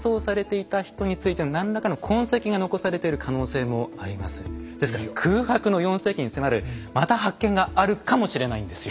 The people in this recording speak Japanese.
その中からまたあるいはですから空白の４世紀に迫るまた発見があるかもしれないんですよ。